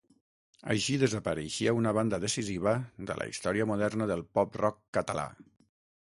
Així desapareixia una banda decisiva de la història moderna del pop-rock català.